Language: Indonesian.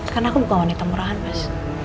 karena aku bukan wanita murahan pas